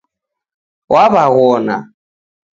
Wawaghona